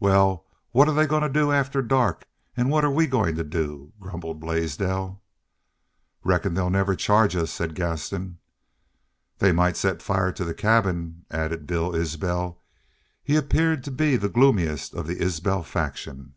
"Wal, what 're they goin' to do after dark, an' what 're WE goin' to do?" grumbled Blaisdell. "Reckon they'll never charge us," said Gaston. "They might set fire to the cabins," added Bill Isbel. He appeared to be the gloomiest of the Isbel faction.